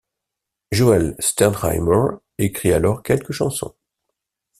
Joël Sternheimer écrit alors quelques chansons.